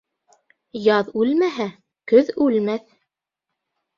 Яҙ үлмәһә, көҙ үлмәҫ.